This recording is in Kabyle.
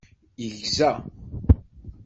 Yegza.